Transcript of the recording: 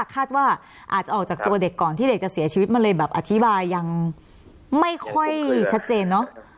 คาดว่าอาจจะออกจากตัวเด็กก่อนที่เด็กจะเสียชีวิตมันเลยแบบอธิบายยังไม่ค่อยชัดเจนเนอะ